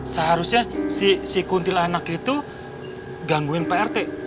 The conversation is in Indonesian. seharusnya si kuntilanak itu gangguin prt